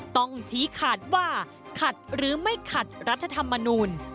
ต้องชี้ขาดว่าขัดหรือไม่ขัดรัฐธรรมนูล